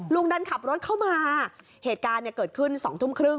ดันขับรถเข้ามาเหตุการณ์เนี่ยเกิดขึ้น๒ทุ่มครึ่ง